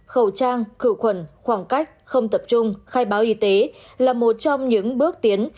khẩu trang khử khuẩn khoảng cách không tập trung khai báo y tế là một trong những bước tiến